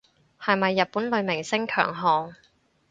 係咪日本女明星強項